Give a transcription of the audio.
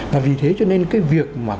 và vì thế cho nên cái việc mà